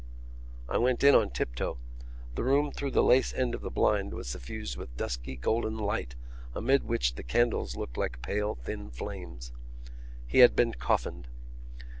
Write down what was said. I went in on tiptoe. The room through the lace end of the blind was suffused with dusky golden light amid which the candles looked like pale thin flames. He had been coffined.